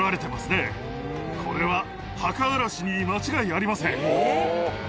これは墓荒らしに間違いありません。